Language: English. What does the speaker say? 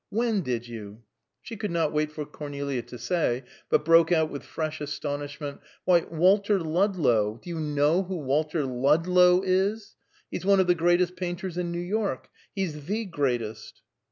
When did you?" She could not wait for Cornelia to say, but broke out with fresh astonishment. "Why, Walter Ludlow! Do you know who Walter Ludlow is? He's one of the greatest painters in New York. He's the greatest!"